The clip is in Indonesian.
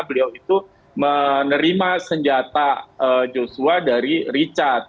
beliau itu menerima senjata joshua dari richard